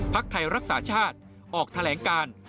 ไทยรักษาชาติออกแถลงการ